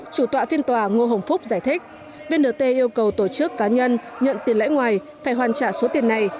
chủ tọa phiên tòa ngô hồng phúc giải thích vnt yêu cầu tổ chức cá nhân nhận tiền lãi ngoài phải hoàn trả số tiền này